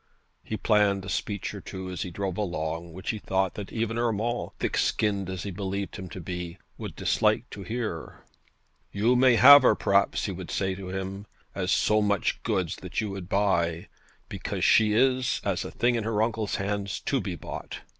He planned a speech or two as he drove along which he thought that even Urmand, thick skinned as he believed him to be, would dislike to hear. 'You may have her, perhaps,' he would say to him, 'as so much goods that you would buy, because she is, as a thing in her uncle's hands, to be bought.